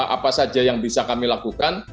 apa saja yang bisa kami lakukan